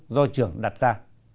của trường đặt ra